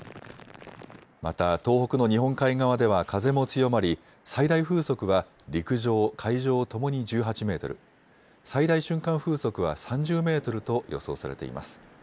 また東北の日本海側では風も強まり最大風速は陸上、海上ともに１８メートル、最大瞬間風速は３０メートルと予想されています。